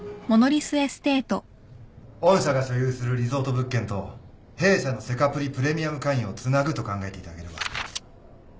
御社が所有するリゾート物件と弊社のセカプリプレミアム会員をつなぐと考えていただければ。